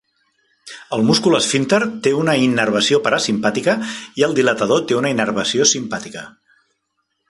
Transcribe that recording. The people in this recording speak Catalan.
El múscul esfínter té una innervació parasimpàtica i el dilatador té una innervació simpàtica.